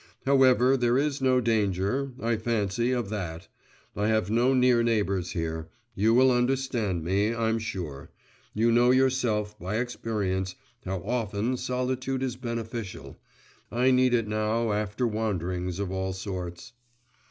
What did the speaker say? However there is no danger, I fancy, of that; I have no near neighbours here. You will understand me, I'm sure; you know yourself, by experience, how often solitude is beneficial … I need it now after wanderings of all sorts.